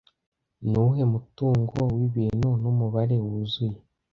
Nuwuhe mutungo wibintu numubare wuzuye